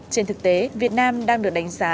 trên thực tế việt nam đang được đánh giá